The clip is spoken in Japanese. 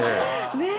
ねえ。